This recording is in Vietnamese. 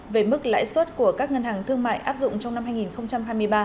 về mức lãi suất của các ngân hàng thương mại áp dụng trong năm hai nghìn hai mươi ba